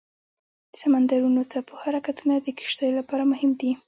د سمندرونو څپو حرکتونه د کشتیو لپاره مهم دي.